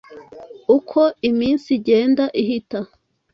Uko iminsi igenda ihita